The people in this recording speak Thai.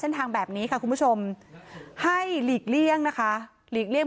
ทางแบบนี้ค่ะคุณผู้ชมให้หลีกเลี่ยงนะคะหลีกเลี่ย